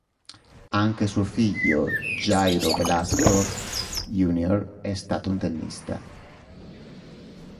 Anche suo figlio Jairo Velasco, Jr. è stato un tennista.